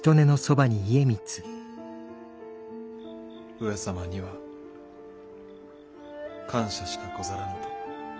上様には感謝しかござらぬと。